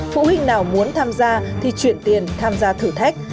phụ huynh nào muốn tham gia thì chuyển tiền tham gia thử thách